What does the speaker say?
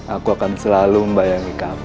aku akan selalu membayangi kami